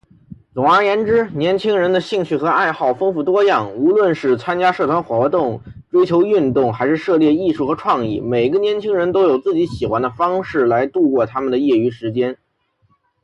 总而言之，年轻人的兴趣和爱好丰富多样。无论是参加社团活动、追求运动，还是涉猎艺术和创意，每个年轻人都有自己喜欢的方式来度过他们的业余时间。